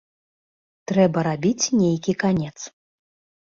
Трэба рабіць нейкі канец.